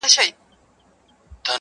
پلار کار ته ځي خو زړه يې نه وي هلته,